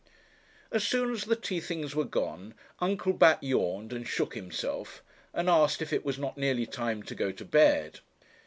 As soon as the tea things were gone, Uncle Bat yawned and shook himself, and asked if it was not nearly time to go to bed.